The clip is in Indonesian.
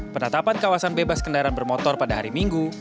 penetapan kawasan bebas kendaraan bermotor pada hari minggu